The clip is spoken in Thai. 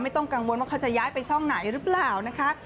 ต้องกังวลว่าเขาจะย้ายไปช่องไหนหรือเปล่านะคะ